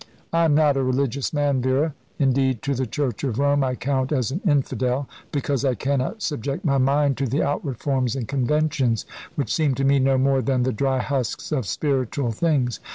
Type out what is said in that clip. I am not a religious man, Vera; indeed, to the Church of Rome I count as an infidel, because I cannot subject my mind to the outward forms and conventions which seem to me no more than the dry husks of spiritual things.